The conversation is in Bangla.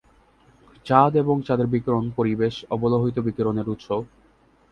চাঁদ এবং চাঁদের বিকিরণ পরিবেশ অবলোহিত বিকিরণের উৎস।